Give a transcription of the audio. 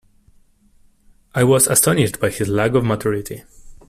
I was astonished by his lack of maturity